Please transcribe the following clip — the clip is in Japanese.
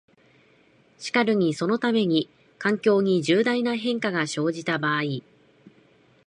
しかるにそのために、環境に重大な変化が生じた場合、